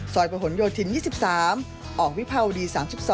ประหลโยธิน๒๓ออกวิภาวดี๓๒